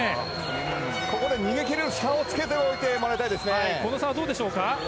ここで逃げ切る差をつけておいてもらいたいですね。